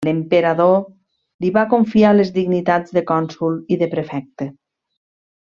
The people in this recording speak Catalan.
L'emperador li va confiar les dignitats de cònsol i de prefecte.